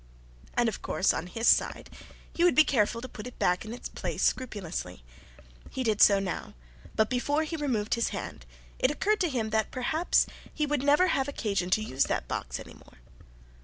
And of course on his side he would be careful to put it back in its place scrupulously. He did so now, but before he removed his hand it occurred to him that perhaps he would never have occasion to use that box any more.